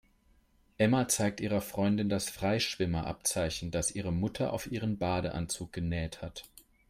Emma zeigt ihrer Freundin das Freischwimmer-Abzeichen, das ihre Mutter auf ihren Badeanzug genäht hat.